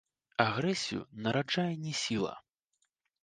Агрэсію нараджае не сіла.